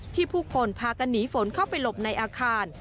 ผู้คนพากันหนีฝนเข้าไปหลบในอาคาร